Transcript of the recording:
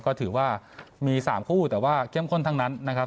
ก็ถือว่ามี๓คู่แต่ว่าเข้มข้นทั้งนั้นนะครับ